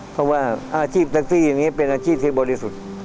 เพราะว่าอาชีพแท็กซี่อย่างนี้เป็นอาชีพที่บริสุทธิ์